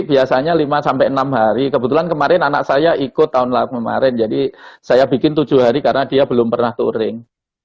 biasanya lima sampai enam hari kebetulan kemarin anak saya ikut tahun lalu kemarin jadi saya bikin tujuh hari karena dia belum pernah touring